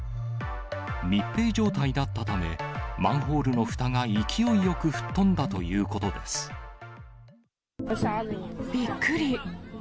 密閉状態だったため、マンホールのふたが勢いよく吹っ飛んだといびっくり。